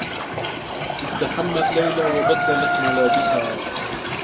استحمّت ليلى و بدّلت ملابسها.